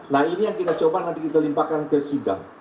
nah ini yang kita coba nanti kita limpahkan ke sidang